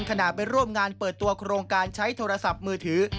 ขณะไปร่วมงานเปิดตัวโครงการใช้โทรศัพท์มือถือ